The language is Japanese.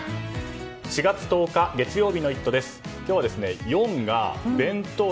４月１０日月曜日の「イット！」